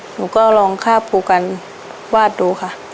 หนูก็ลองข้าบภูกรรณวาดดูค่ะ